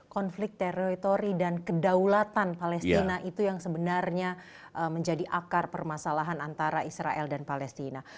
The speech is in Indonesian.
konflik teritori dan kedaulatan palestina itu yang sebenarnya menjadi akar permasalahan antara israel dan palestina